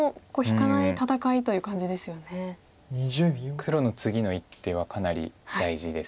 黒の次の一手はかなり大事です。